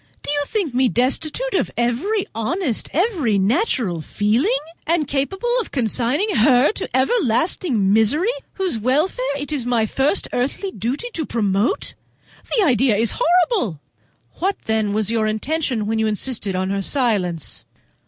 Do you think me destitute of every honest, every natural feeling? Am I capable of consigning her to everlasting misery whose welfare it is my first earthly duty to promote? The idea is horrible!" "What, then, was your intention when you insisted on her silence?"